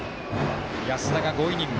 安田が５イニング。